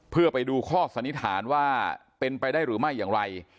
เพื่อไปดูข้อสันนิษฐานว่าเป็นไปได้หรือไม่อย่างไร